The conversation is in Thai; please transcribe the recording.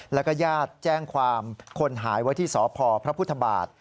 แล้วก็ญาติแจ้งความคนหายไว้ที่สพพระพุทธบาท